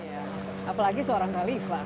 iya apalagi seorang kalifah